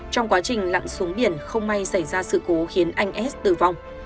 trong quá trình lặn xuống biển không may xảy ra sự cố khiến anh s tử vong